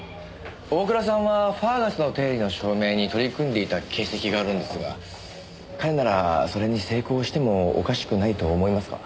大倉さんはファーガスの定理の証明に取り組んでいた形跡があるんですが彼ならそれに成功してもおかしくないと思いますか？